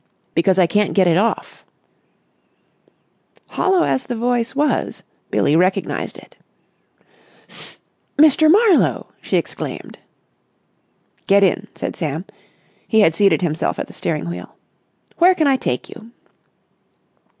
"Because I can't get it off." Hollow as the voice was, Billie recognised it. "S—Mr. Marlowe!" she exclaimed. "Get in," said Sam. He had seated himself at the steering wheel. "Where can I take you?"